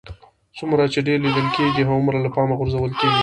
څومره چې ډېر لیدل کېږئ هغومره له پامه غورځول کېږئ